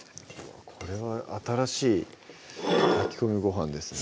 これは新しい炊き込みご飯ですね